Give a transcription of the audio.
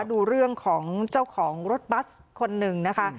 ดูเรื่องของเจ้าของรถบัสคนหนึ่งนะคะ